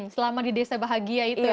selama di desa bahagia itu ya